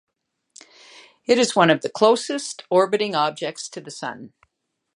It is one of the closest orbiting objects to the Sun.